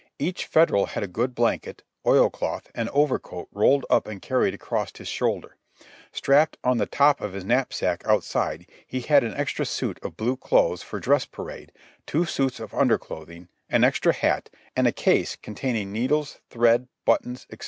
Each Federal had a good blanket, oilcloth, and overcoat rolled up and carried across his shoulder ; strapped on the top of his knapsack outside, he had an extra suit of blue clothes for dress parade, two suits of under clothing, an extra hat, and a case containing needles, thread, but tons, &c.